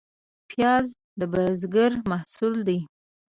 پیاز د بزګر محصول دی